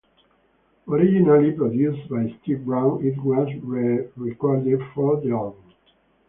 Originally produced by Steve Brown, it was re-recorded for the album.